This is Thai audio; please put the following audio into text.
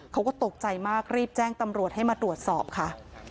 เขาก็ตกใจมากรีบแจ้งตำรวจให้มาตรวจสอบค่ะ